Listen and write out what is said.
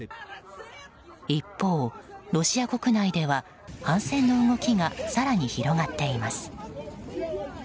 一方、ロシア国内では反戦の動きが更に広がっています。